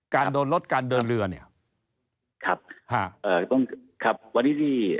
การโดนลดการเดินเรือเนี่ยครับฮะเอ่อต้องครับวันนี้ที่